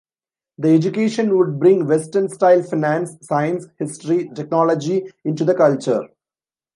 The education would bring Western-style finance, science, history, technology into the culture.